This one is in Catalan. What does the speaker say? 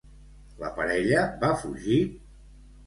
La parella va fugir?